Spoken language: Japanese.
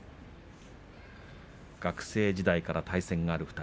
学生時代から対戦があります。